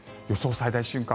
最大瞬間